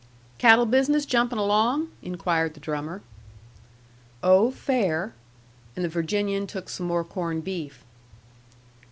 "Cattle business jumping along?" inquired the drummer. "Oh, fair." And the Virginian took some more corned beef.